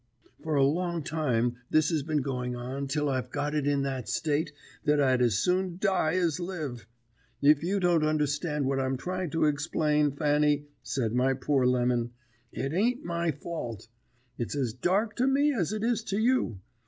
For a long time this has been going on till I've got in that state that I'd as soon die as live. If you don't understand what I'm trying to egsplain, Fanny,' said my poor Lemon, 'it ain't my fault; it's as dark to me as it is to you.